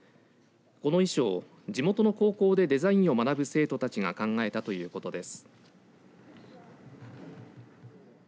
この衣装、地元の高校でデザインを学ぶ生徒たちが考えたということです。